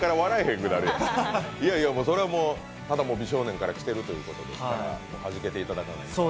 それはもう、美少年から来てるということですから、はじけていただかないと。